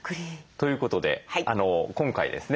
ということで今回ですね